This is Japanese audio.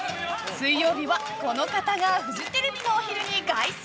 水曜日は、この方がフジテレビのお昼に凱旋！